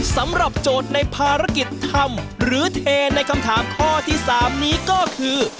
โจทย์ในภารกิจทำหรือเทในคำถามข้อที่๓นี้ก็คือ